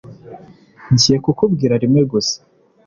ngiye kukubwira rimwe gusa